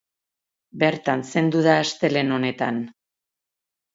Bertan zendu da astelehen honetan.